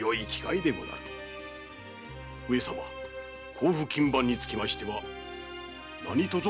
甲府勤番につきましては何とぞ